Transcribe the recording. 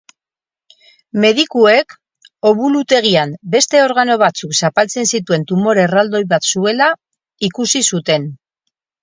Medikuek obulutegian beste organo batzuk zapaltzen zituen tumore erraldoi bat zuela ikusi zuten.